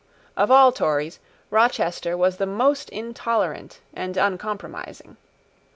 Of all Tories, Rochester was the most intolerant and uncompromising.